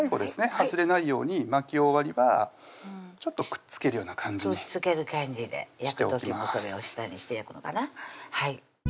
外れないように巻き終わりはちょっとくっつけるような感じでくっつける感じでしておきます